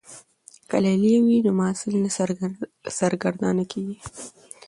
که لیلیه وي نو محصل نه سرګردانه کیږي.